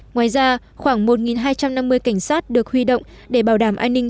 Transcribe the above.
ngoài ra khoảng một hai trăm năm mươi cảnh sát được huy động để bảo đảm an ninh